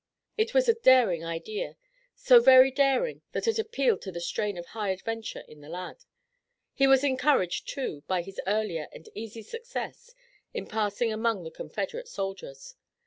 It was a daring idea, so very daring that it appealed to the strain of high adventure in the lad. He was encouraged, too, by his earlier and easy success in passing among the Confederate soldiers.